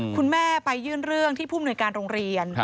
คุณแม่ไปยื่นเรื่องที่ผู้มนุยการโรงเรียน